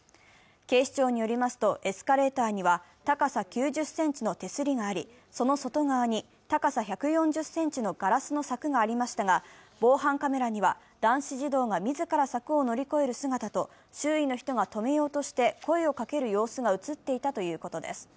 警視庁によりますと、エスカレーターには高さ９０ｃｍの手すりがありその外側に高さ１４０ｃｍのガラスの柵がありましたが、防犯カメラには、男子児童が自ら柵を乗り越える姿と周囲の人が止めようとして声をかける様子が映っていたということです。